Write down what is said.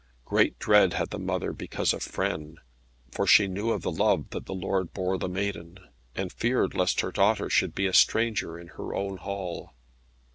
Great dread had the mother because of Frêne, for she knew of the love that the lord bore the maiden, and feared lest her daughter should be a stranger in her own hall.